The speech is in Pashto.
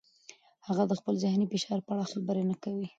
هغه د خپل ذهني فشار په اړه خبرې نه کوي.